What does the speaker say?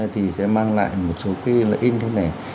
thì sẽ mang lại một số cái lợi ích như thế này